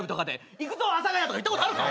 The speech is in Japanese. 「いくぞ阿佐谷」とか言ったことあるか？